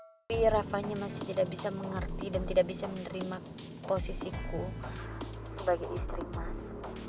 tapi rafanya masih tidak bisa mengerti dan tidak bisa menerima posisiku sebagai istri mas